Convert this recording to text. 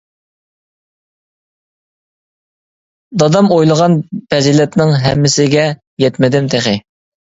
دادام ئويلىغان پەزىلەتنىڭ ھەممىسىگە يەتمىدىم تېخى.